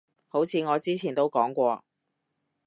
好似我之前都講過